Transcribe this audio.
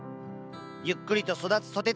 ゆっくりと育つ蘇鉄。